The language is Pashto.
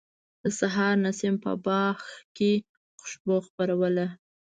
د سحر نسیم په باغ کې خوشبو خپروله.